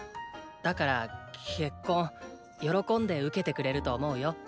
だからケッコン喜んで受けてくれると思うよ。